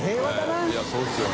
いそうですよね。